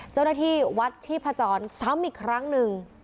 เจ้าหน้าที่วัดชีพจรซ้ำอีกครั้งหนึ่ง